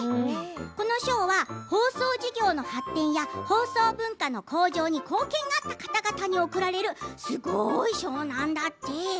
この賞は放送事業の発展や放送文化の向上に貢献があった方々に贈られるすごい賞なんだって。